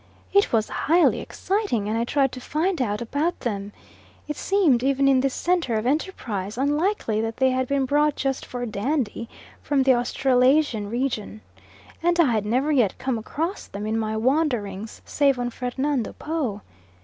It was highly exciting, and I tried to find out about them. It seemed, even in this centre of enterprise, unlikely that they had been brought just "for dandy" from the Australasian region, and I had never yet come across them in my wanderings save on Fernando Po.